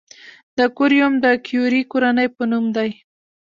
د کوریوم د کیوري کورنۍ په نوم دی.